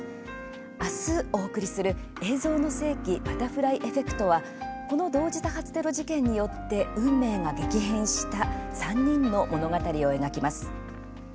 明日お送りする「映像の世紀バタフライエフェクト」はこの同時多発テロ事件によって運命が激変した３人の物語を描きます。